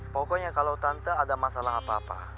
pokoknya kalau tante ada masalah apa apa